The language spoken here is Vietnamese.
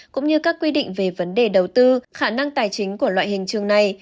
cũng như các quy định về vấn đề đầu tư khả năng tài chính của loại hình trường này